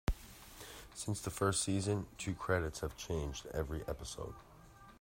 Since the first season, two credits have changed every episode.